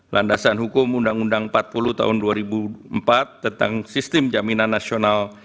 landasan hukum undang undang empat puluh tahun dua ribu empat tentang sistem jaminan nasional